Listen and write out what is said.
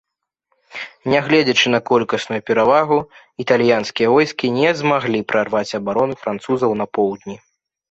Нягледзячы на колькасную перавагу, італьянскія войскі не змаглі прарваць абарону французаў на поўдні.